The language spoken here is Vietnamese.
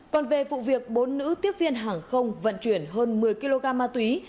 còn về vụ việc bốn nữ tiếp viên hàng không vận chuyển hơn một mươi kg ma túy